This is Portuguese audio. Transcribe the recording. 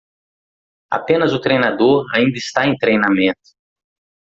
Apenas o treinador ainda está em treinamento